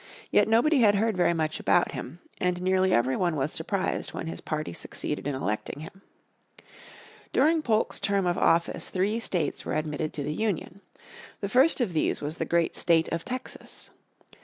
Yet nobody had heard very much about him, and nearly everyone was surprised when his party succeeded in electing him. During Polk's term of office three states were admitted to the Union. The first of these was the great State of Texas.